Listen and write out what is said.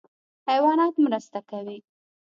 حیوانات مرسته کوي.